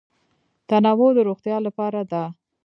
تنوع د روغتیا لپاره ده.